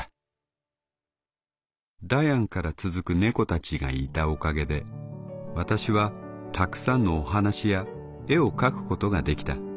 ダヤンから続く猫たちがいたおかげで私はたくさんのお話や絵を描くことができた。